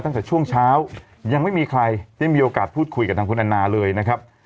ตั้งแต่ช่วงเช้ายังไม่มีใครได้มีโอกาสพูดคุยกับทางคุณแอนนาเลยนะครับ